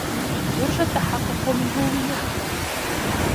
يرجى التحقق من هويتك